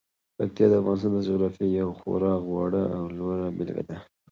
پکتیکا د افغانستان د جغرافیې یوه خورا غوره او لوړه بېلګه ده.